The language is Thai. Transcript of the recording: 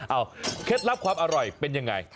เอาเคล็ดลับความอร่อยเป็นยังไง